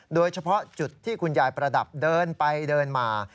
โดยเฉพาะจุดที่คุณยายประดับเดินไปเดินมา